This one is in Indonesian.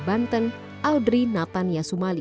banten audrey natanya sumali